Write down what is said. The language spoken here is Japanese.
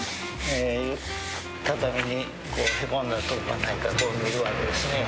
畳にへこんだとこがないか見るわけですね。